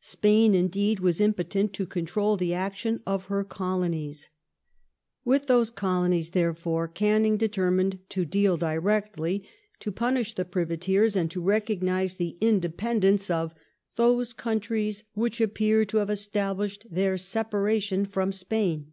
Spain, indeed, was impotent to control the action of her Colonies. AVith those Colonies, therefore, Canning determined to deal directly : to punish the privateei s, and to recognize the in dependence of "those countries which appear to have established their separation from Spain